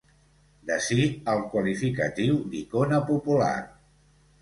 D'ací el qualificatiu d'icona popular.